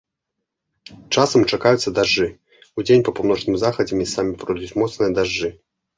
Часам чакаюцца дажджы, удзень па паўночным захадзе месцамі пройдуць моцныя дажджы.